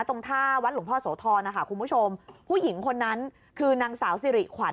ตรงท่าวัดหลวงพ่อโสธรนะคะคุณผู้ชมผู้หญิงคนนั้นคือนางสาวสิริขวัญ